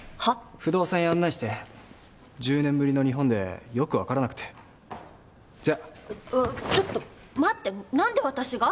不動産屋案内して１０年ぶりの日本でよく分からなくてじゃあっちょっと待ってなんで私が？